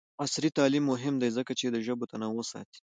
عصري تعلیم مهم دی ځکه چې د ژبو تنوع ساتي.